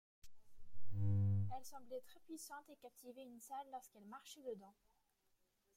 Elle semblait très puissante et captivait une salle lorsqu'elle marchait dedans.